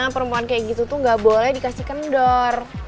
perempuan kayak gitu tuh gak boleh dikasih kendor